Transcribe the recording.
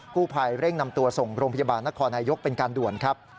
ผู้ภัยเร่งนำตัวส่งโรงพยาบาลนครนายกเป็นการด่วนครับ